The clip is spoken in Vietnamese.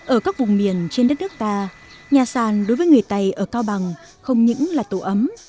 ở các vùng miền trên đất nước ta nhà sàn đối với người tày ở cao bằng không những là tổ ấm